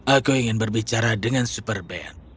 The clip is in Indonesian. aku ingin berbicara dengan super band